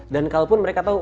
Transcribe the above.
dan kalaupun mereka tahu